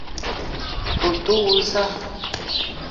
Ou te woul ya?